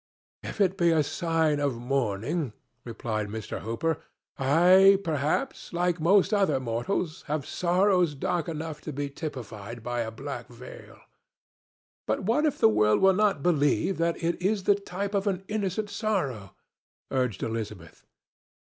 "If it be a sign of mourning," replied Mr. Hooper, "I, perhaps, like most other mortals, have sorrows dark enough to be typified by a black veil." "But what if the world will not believe that it is the type of an innocent sorrow?" urged Elizabeth.